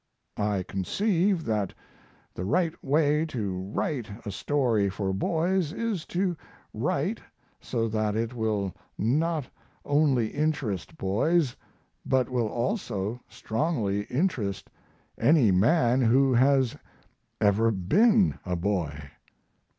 I conceive that the right way to write a story for boys is to write so that it will not only interest boys, but will also strongly interest any man who has ever been a boy.